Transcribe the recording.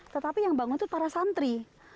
tetapi yang bangun itu para santri